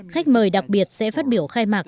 khách mời đặc biệt sẽ phát biểu khai mạc